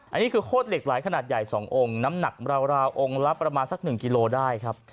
อันนี้คือโคตรเหล็กไหลขนาดใหญ่๒องค์น้ำหนักราวองค์ละประมาณสัก๑กิโลได้ครับ